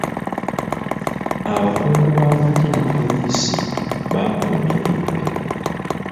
Abakungu b'amagye ne poliisi bakuuma eddembe .